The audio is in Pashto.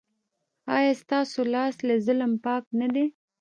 ایا ستاسو لاس له ظلم پاک نه دی؟